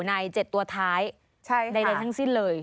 ใน๗ตัวท้ายใดทั้งสิ้นเลย